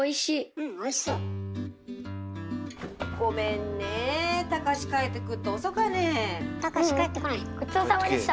ううんごちそうさまでした！